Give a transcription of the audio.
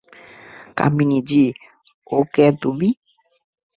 কামিনী জি, ও কে, তুমি?